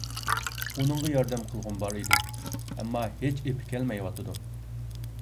ئۇنىڭغا ياردەم قىلغۇم بار ئىدى، ئەمما ھېچ ئېپى كەلمەيۋاتىدۇ.